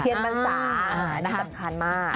ที่สำคัญมาก